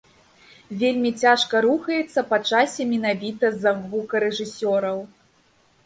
Вельмі цяжка рухаецца па часе менавіта з-за гукарэжысёраў.